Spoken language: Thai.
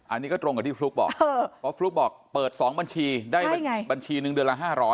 อันนี้ก็ตรงกับที่ฟลุ๊กบอกเพราะฟลุ๊กบอกเปิด๒บัญชีได้บัญชีหนึ่งเดือนละ๕๐๐